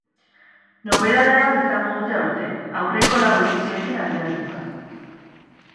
Nobedade bat izango dute aurten, aurreko lau edizioekin alderatuta.